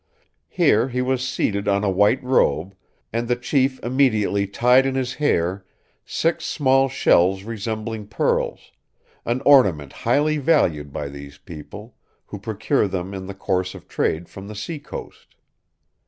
Here he was seated on a white robe, and the chief immediately tied in his hair six small shells resembling pearls, an ornament highly valued by these people, who procure them in the course of trade from the seacoast.